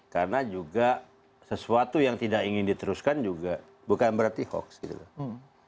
karena juga sesuatu yang tidak ingin diteruskan juga bukan berarti hoax gitu loh